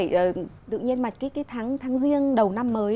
không phải tự nhiên mà cái tháng riêng đầu năm mới